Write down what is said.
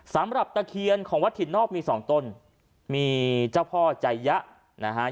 ตะเคียนของวัดถิ่นนอกมีสองต้นมีเจ้าพ่อใจยะนะฮะ